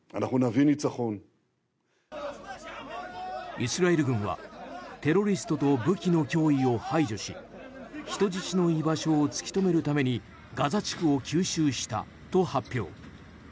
イスラエル軍はテロリストと武器の脅威を排除し人質の居場所を突き止めるためにガザ地区を急襲したと発表。